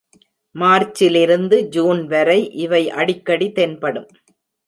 மார்ச்சிலிருந்து June வரை இவை அடிக்கடி தென்படும்.